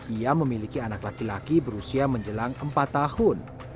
ia memiliki anak laki laki berusia menjelang empat tahun